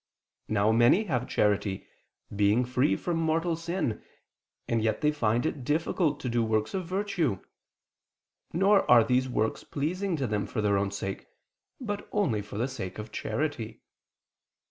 Now many have charity, being free from mortal sin, and yet they find it difficult to do works of virtue; nor are these works pleasing to them for their own sake, but only for the sake of charity.